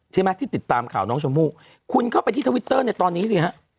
ใช่ไหมที่ติดตามข่าวน้องชมพู่คุณเข้าไปที่ทวิตเตอร์ในตอนนี้สิฮะ